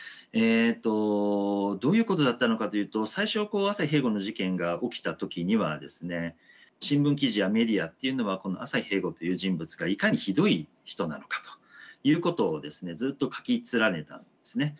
どういうことだったのかというと最初朝日平吾の事件が起きた時には新聞記事やメディアっていうのは朝日平吾という人物がいかにひどい人なのかということをずっと書き連ねたんですね。